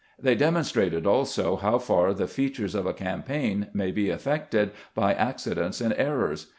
They demonstrated, also, how far the features of a campaign may be affected by accidents and errors.